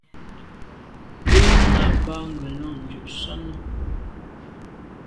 Yen nà ba ngelan ndù sàne.